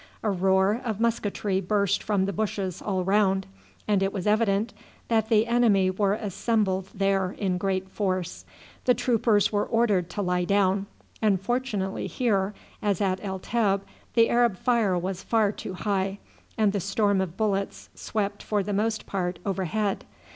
A roar of musketry burst from the bushes all round, and it was evident that the enemy were assembled there in great force. The troops were ordered to lie down; and fortunately here, as at El Teb, the Arab fire was far too high, and the storm of bullets swept for the most part overhead.